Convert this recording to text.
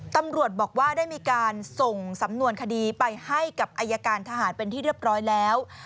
ตำรวจบอกว่าได้มีการส่งสำนวนคดีไปให้กับอายการทหารเป็นที่เรียบร้อยแล้ว